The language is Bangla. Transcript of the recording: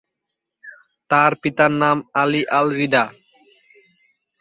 তার পিতার নাম আলি আল-রিদা।